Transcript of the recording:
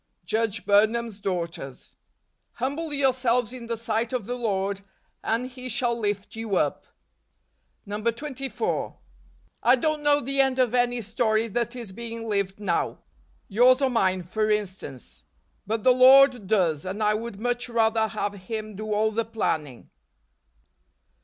" Judge Burnham's Daughters. " Humble yourselves in the sight of the Lord, and he shall lift you up" 24. I don't know the end of any story that is being lived now — yours or mine, for instance; but the Lord does; and I would much rather have Him do all the planning.